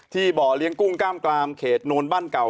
บ่อเลี้ยงกุ้งกล้ามกรามเขตโนนบ้านเก่า